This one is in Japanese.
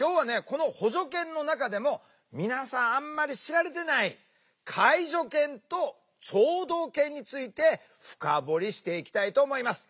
この補助犬の中でも皆さんあんまり知られていない介助犬と聴導犬について深掘りしていきたいと思います。